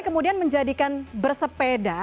kemudian menjadikan bersepeda